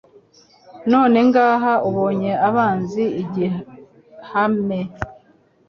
None ngaha ubonye abanzi igihame